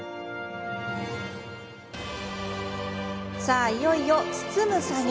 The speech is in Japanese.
さあいよいよ包む作業。